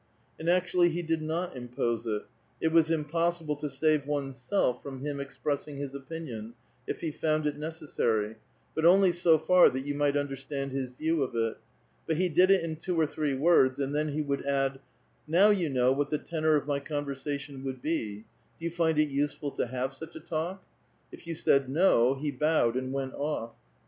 And actuallj' he did not impose it ; it was impossible to eave one's self from him expressing bis opinion, if he found It uecessarj', but only so far that you might understand his 'View of it ; but he did it in two or tliree words, and then he '^^oiild add: " Now you know what the tenor of my conver sation would be ; do you lind it useful to have such a talk ?" you said '' No," he bowed and went off.